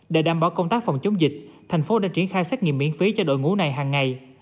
để đảm bảo công tác phòng chống dịch thành phố đã triển khai xét nghiệm miễn phí cho đội ngũ này hàng ngày